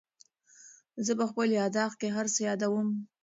زه په خپل یادښت کې هر څه یادوم.